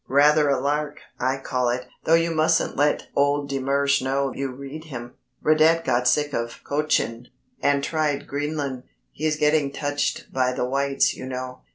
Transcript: Rather a lark, I call it, though you mustn't let old de Mersch know you read him. Radet got sick of Cochin, and tried Greenland. He's getting touched by the Whites you know.